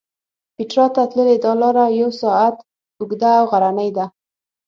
پېټرا ته تللې دا لاره یو ساعت اوږده او غرنۍ ده.